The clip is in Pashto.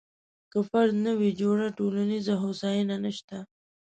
که فرد نه وي جوړ، ټولنیزه هوساینه نشته.